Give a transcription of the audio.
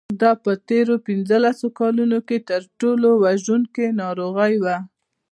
دا په تېرو پنځلسو کلونو کې تر ټولو وژونکې ناروغي وه.